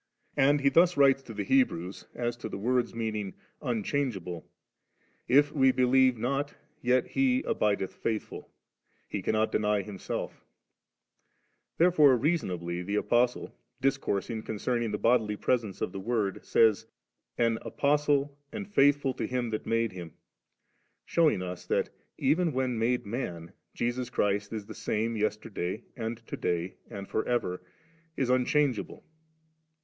And he thus writes to the Hebrews as to the word's meaning 'unchangeable ;'* If we believe not, yet He abideth faithful; He cannot deny Himself*.' Therefore reasonably the Apostle^ discoursing concerning the bodily presence of the Word, says, an 'Apostle and faithful to Him that made Him,' shewing us that, even when made man, ' Tesus Christ' is 'the same yesterday, and to day, and for ever*' is un changeable.